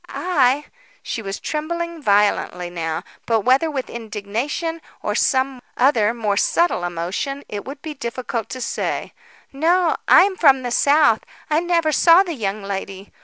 "I?" She was trembling violently now, but whether with indignation or some other more subtle emotion, it would be difficult to say. "No, I'm from the South. I never saw the young lady.